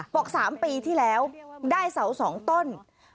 ๓ปีที่แล้วได้เสา๒ต้น